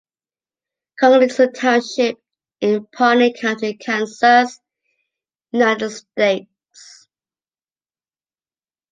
Conkling is a township in Pawnee County, Kansas, United States.